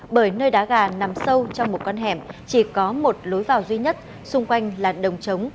bởi nơi đá gà nằm sâu trong một con hẻm chỉ có một lối vào duy nhất xung quanh là đồng trống